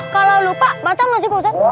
kalau lupa batal gak sih pak ustadz